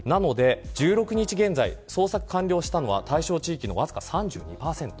１６日現在、捜索完了したのは対象地域のわずか３２％。